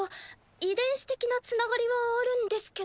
遺伝子的なつながりはあるんですけど。